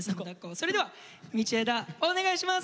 それでは道枝お願いします！